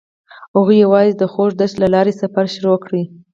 هغوی یوځای د خوږ دښته له لارې سفر پیل کړ.